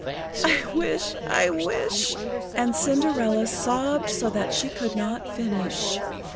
"I wish I wish " and Cinderella sobbed so that she could not finish.